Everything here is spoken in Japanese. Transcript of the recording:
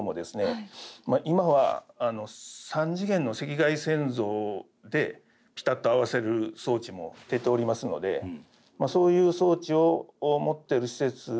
今は３次元の赤外線像でピタッと合わせる装置も出ておりますのでそういう装置を持ってる施設ではですね